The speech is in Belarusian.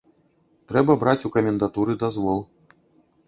Трэба браць у камендатуры дазвол.